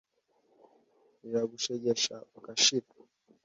riragushegesha ugashira